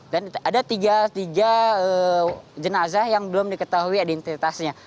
dan ada tiga jenazah yang belum diketahui identitasnya